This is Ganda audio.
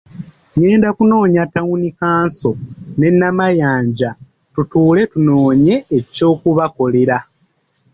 Ngenda kunoonya tawuni kkanso ne Namayanja tutuule tunoonye ekyokubakolera.